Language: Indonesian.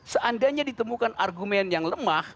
seandainya ditemukan argumen yang lemah